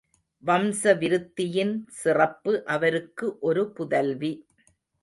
வம்ச விருத்தியின் சிறப்பு அவருக்கு ஒரு புதல்வி.